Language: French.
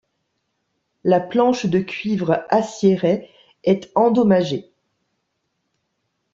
La planche de cuivre aciérée est endommagée.